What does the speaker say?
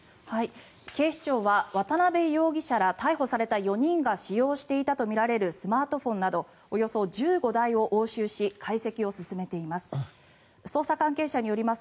警視庁は渡邉容疑者ら逮捕された４人が使用していたとみられるスマートフォンなどおよそ１５台を押収し解析を進めています。